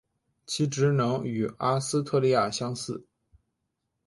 其职能与阿斯特莉亚相似。